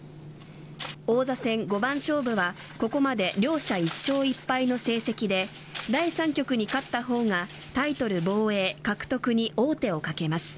王座戦五番勝負はここまで両者１勝１敗の成績で第３局に勝ったほうがタイトル防衛・獲得に王手をかけます。